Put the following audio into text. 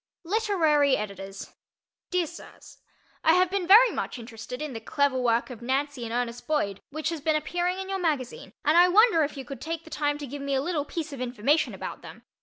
Literary Editors: Dear Sirs: I have been very much interested in the clever work of Nancy and Ernest Boyd which has been appearing in your magazine, and I wonder if you could take the time to give me a little piece of information about them.